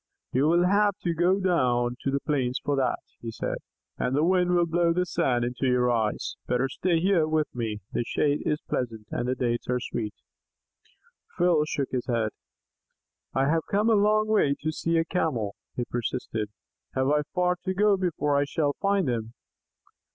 "You will have to go down to the plains for that," he said, "and the wind will blow the sand into your eyes. Better stay here with me. The shade is pleasant, and dates are sweet." Phil shook his head. "I have come a long way to see the Camel," he persisted. "Have I far to go before I shall find him?"